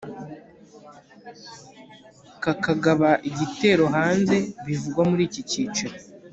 kakagaba igitero hanze bivugwa muri iki cyiciro